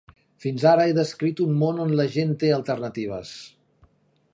Fins ara he descrit un món on la gent té alternatives.